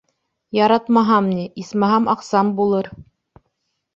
Яратмаһам ни, исмаһам, аҡсам булыр.